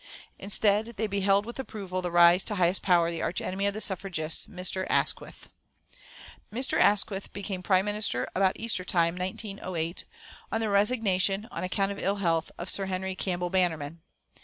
Instead they beheld with approval the rise to highest power the arch enemy of the suffragists, Mr. Asquith. Mr. Asquith became prime minister about Easter time, 1908, on the resignation, on account of ill health, of Sir Henry Campbell Bannerman.